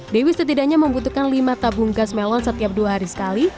dewi setidaknya membutuhkan lima tabung gas melon setiap dua hari sekali